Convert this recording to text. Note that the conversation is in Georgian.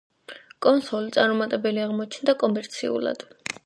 კონსოლი წარუმატებელი აღმოჩნდა კომერციულად.